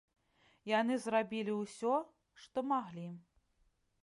Яны зрабілі ўсё, што маглі.